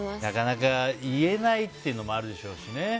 なかなか言えないってのもあるでしょうしね。